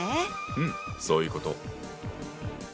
うんそういうこと。